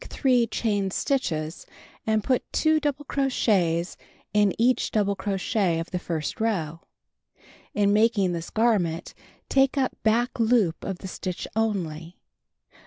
Second row: Make 3 chain stitches and put 2 double crochets in each double crochet of the first row. In making this garment, take up back loop of the stitch only.